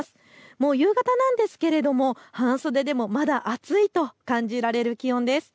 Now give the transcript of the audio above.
もう夕方なんですけれども半袖でもまだ暑いと感じられる気温です。